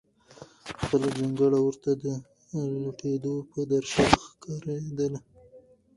خپله جونګړه ورته د لوټېدو په درشل ښکارېده.